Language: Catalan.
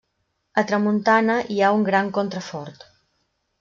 A tramuntana hi ha un gran contrafort.